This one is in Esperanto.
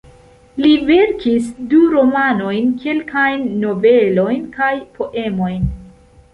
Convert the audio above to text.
Li verkis du romanojn, kelkajn novelojn kaj poemojn.